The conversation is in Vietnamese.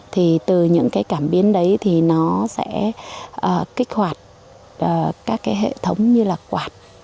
thì từ những cái cảm biến đấy thì nó sẽ kích hoạt các cái hệ thống như là quạt